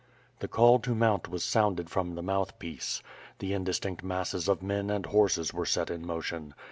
The call to mount was sounded from the mouth piece. The indistinct masses of men and horses were set in motion.